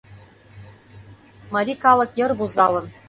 Марий калык йыр вузалын